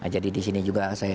jadi disini juga saya